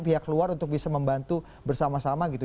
pihak luar untuk bisa membantu bersama sama gitu